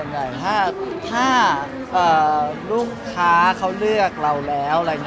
จริงแบบนี้อยากรับเพื่อนผมไม่รู้สึก